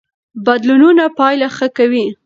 بدلونونه پایله ښه کوي.